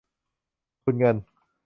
ทุนเงิน